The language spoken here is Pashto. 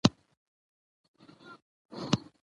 افغانستان په پوره ډول په خپلو ژورو سرچینو باندې ډېره تکیه لري.